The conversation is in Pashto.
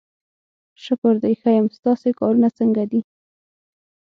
شکر دی ښه یم، ستاسې کارونه څنګه دي؟